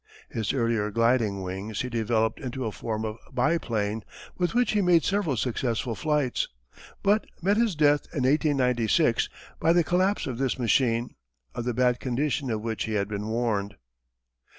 His earlier gliding wings he developed into a form of biplane, with which he made several successful flights, but met his death in 1896 by the collapse of this machine, of the bad condition of which he had been warned.